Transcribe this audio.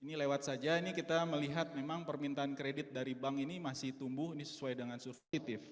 ini lewat saja ini kita melihat memang permintaan kredit dari bank ini masih tumbuh ini sesuai dengan substitif